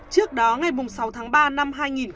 trước đó ngày sáu tháng ba năm hai nghìn chín